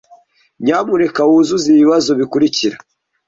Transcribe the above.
Nyamuneka wuzuze ibibazo bikurikira.